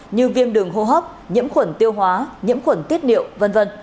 như viêm đường hô hấp nhiễm khuẩn tiêu hóa nhiễm khuẩn tiết niệu v v